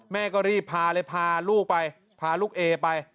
แม่ก็รีบพาเลยพาลูกไปพาลูกเอไป